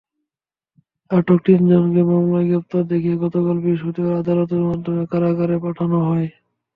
আটক তিনজনকে মামলায় গ্রেপ্তার দেখিয়ে গতকাল বৃহস্পতিবার আদালতের মাধ্যমে কারাগারে পাঠানো হয়।